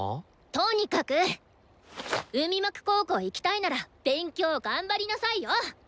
とにかく！海幕高校行きたいなら勉強頑張りなさいよ！